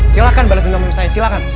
silahkan balas dendam sama saya